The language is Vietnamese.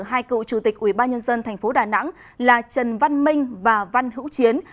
hai cựu chủ tịch ubnd tp đà nẵng là trần văn minh và văn hữu chiến